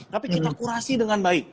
tapi kita kurasi dengan baik